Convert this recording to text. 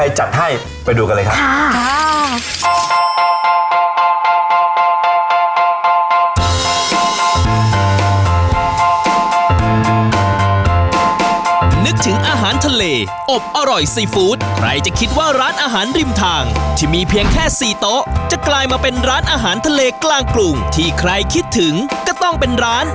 อยากรู้ว่าใครจัดให้ไปดูกันเลยค่ะ